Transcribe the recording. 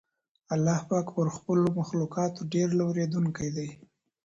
الله پاک پر خپلو مخلوقاتو ډېر لورېدونکی دی.